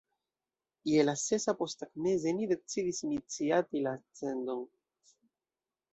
Je la sesa posttagmeze ni decidis iniciati la ascendon.